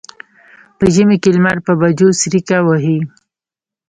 په ژمي کې لمر په بجو څریکه وهي.